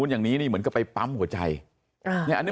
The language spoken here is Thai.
ลูกสาวหลายครั้งแล้วว่าไม่ได้คุยกับแจ๊บเลยลองฟังนะคะ